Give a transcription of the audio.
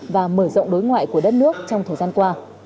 và mở rộng đối ngoại của đất nước trong thời gian qua